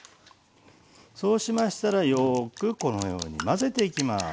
そうしましたらよくこのように混ぜていきます。